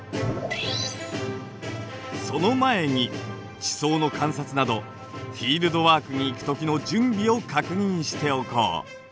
その前に地層の観察などフィールドワークに行く時の準備を確認しておこう。